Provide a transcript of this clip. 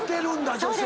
女性。